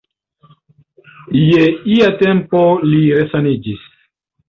Je ia tempo li resaniĝis.